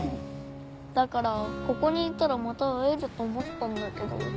だからここにいたらまた会えると思ったんだけど。